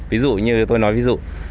ví dụ như tôi nói ví dụ